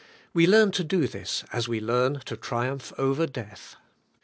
We do this as we learn to triumph over death.